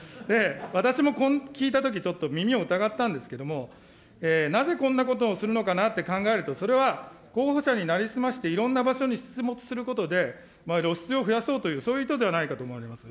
私もこれ聞いたとき、耳を疑ったんですけれども、なぜこんなことをするのかなって考えると、それは候補者に成り済ましていろんな場所に出没することで、露出を増やそうという、そういう意図じゃないかと思われます。